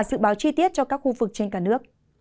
dự báo chi tiết cho các khu vực trên cả nước